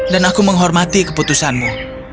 dan aku menghormati keputusanmu